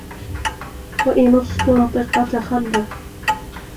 وَإِنْ اُسْتُنْطِقَ تَخَلَّفَ